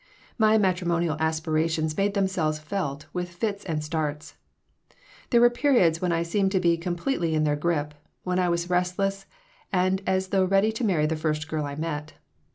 My matrimonial aspirations made themselves felt with fits and starts. There were periods when I seemed to be completely in their grip, when I was restless and as though ready to marry the first girl I met.